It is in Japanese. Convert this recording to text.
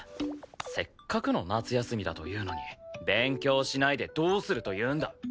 せっかくの夏休みだというのに勉強しないでどうするというんだ。